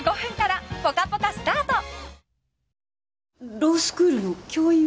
ロースクールの教員を？